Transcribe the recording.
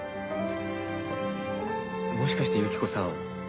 もしかしてユキコさん